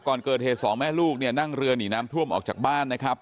ก่อนเกิดเหตุสองแม่ลูกเนี่ยนั่งเรือหนีน้ำท่วมออกจากบ้านนะครับ